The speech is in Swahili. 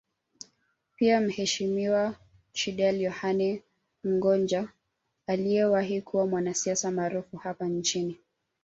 Pia Mheshimiwa Chediel Yohane Mgonja aliyewahi kuwa mwanasiasa maarufu hapa nchini